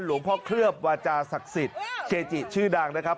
เคลือบวาจาศักดิ์สิทธิ์เกจิชื่อดังนะครับ